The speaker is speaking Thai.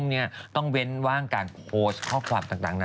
ก้งเว้นว่างการโค้ชข้อความต่าง